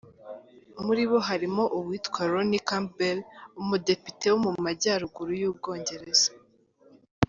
Muri bo harimo uwitwa Ronnie Campbell umudepite wo mu majyaruguru y’u Bwongereza.